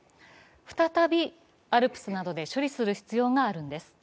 再びＡＬＰＳなどで処理する必要があるんです。